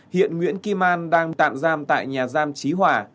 hiện nguyễn kim an đang tạm giam tại nhà giam trí hỏa